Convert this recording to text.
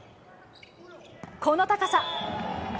この高さ。